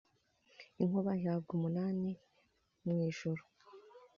inkuba ihabwa umunani mu ijuru,